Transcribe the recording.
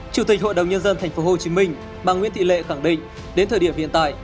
chủ tịch hội đồng nhân dân tp hcm bằng nguyên thị lệ khẳng định đến thời điểm hiện tại